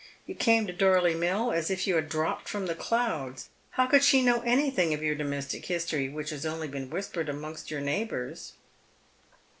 You came to Dorley Mill as if you had dropped from the clouds. How should she know anything of four domestic history^ which has only been whispered amongst your neighbours